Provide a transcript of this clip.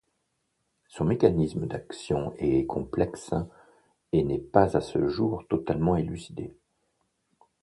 Son mécanisme d'action est complexe et n'est pas à ce jour totalement élucidé.